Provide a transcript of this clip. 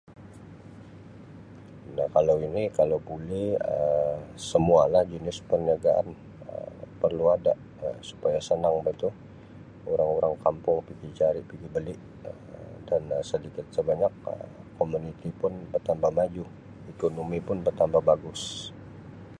Nah kalau ini kalau buli Um semualah jenis perniagaan Um perlu ada Um supaya senang bah tu orang-orang kampung pigi cari pigi beli Um dan Um sedikit sebanyak Um komuniti pun bertambah maju ekonomi pun bertambah bagus.